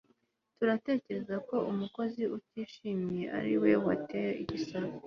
turatekereza ko umukozi utishimiye ari we wateye igisasu